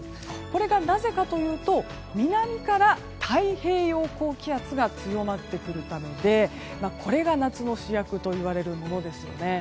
これが、なぜかというと南から太平洋高気圧が強まってくるためでこれが夏の主役といわれるものですよね。